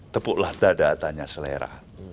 tepuklah dada tanya selera